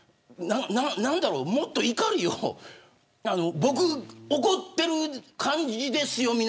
何だろう、もっと怒りを僕、怒ってる感じですよ